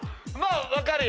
分かるよ。